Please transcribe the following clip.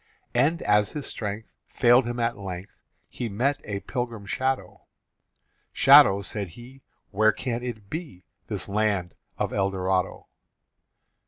And, as his strength Failed him at length, He met a pilgrim shadow "Shadow," said he, "Where can it be This land of Eldorado?"